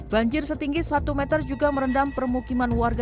banjir setinggi satu meter juga merendam permukiman warga